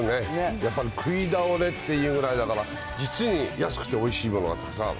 やっぱり食いだおれっていうぐらいだから、実に安くておいしいものがたくさんある。